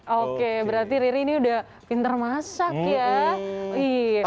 oke berarti riri ini udah pinter masak ya